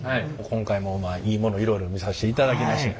今回もいいものいろいろ見さしていただきました。